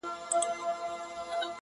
پلار ویل زویه ته دا و وایه بل چا ته,